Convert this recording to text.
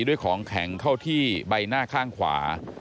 ด้วยของแข็งเข้าที่ใบหน้าข้างขวา